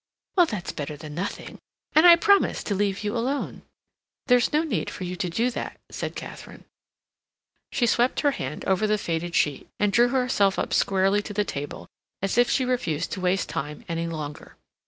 "Well, that's better than nothing, and I promise to leave you alone." "There's no need for you to do that," said Katharine. She swept her hand over the faded sheet, and drew herself up squarely to the table as if she refused to waste time any longer.